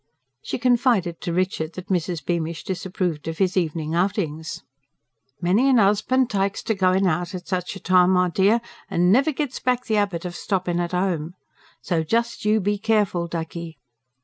She confided to Richard that Mrs. Beamish disapproved of his evening outings. "Many an 'usband takes to goin' out at such a time, my dear, an' never gets back the 'abit of stoppin' at 'ome. So just you be careful, ducky!"